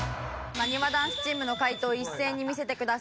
なにわ男子チームの解答一斉に見せてください。